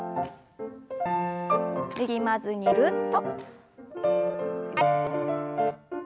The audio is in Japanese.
力まずにぐるっと。